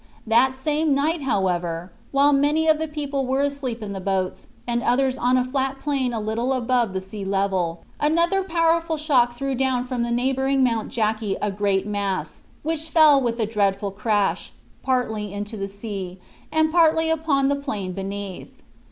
That same night, however, while many of the people were asleep in the boats, and others on a flat plain a little above the sea level, another powerful shock threw down from the neighboring Mount Jaci a great mass, which fell with a dreadful crash, partly into the sea, and partly upon the plain beneath.